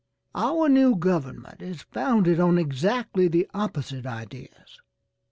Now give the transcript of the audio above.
"Our new government is founded on exactly the opposite ideas.